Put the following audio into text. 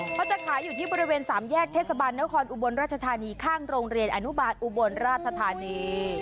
เขาจะขายอยู่ที่บริเวณสามแยกเทศบาลนครอุบลราชธานีข้างโรงเรียนอนุบาลอุบลราชธานี